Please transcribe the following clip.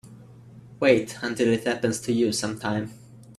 Wait until it happens to you sometime.